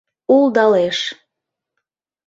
улдалеш